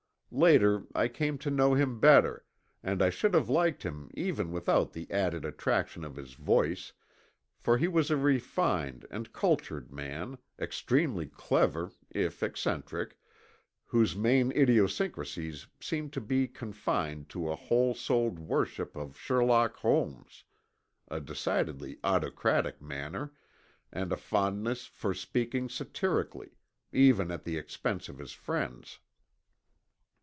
Later I came to know him better and I should have liked him even without the added attraction of his voice, for he was a refined and cultured man, extremely clever, if eccentric, whose main idiosyncrasies seemed to be confined to a whole souled worship of Sherlock Holmes, a decidedly autocratic manner, and a fondness for speaking satirically, even at the expense of his friends.